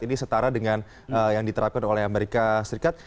ini setara dengan yang diterapkan oleh amerika serikat